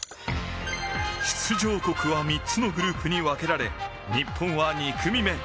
出場国は３つのグループに分けられ日本は２組目。